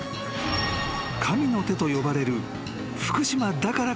［神の手と呼ばれる］